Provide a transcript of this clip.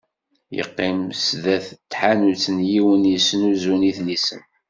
Yeqqim sdat n tḥanut n yiwen yesnuzun idlisen.